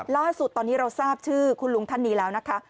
ล่าสุดตอนนี้เราทราบชื่อคุณลุงท่านนี้แล้วนะคะ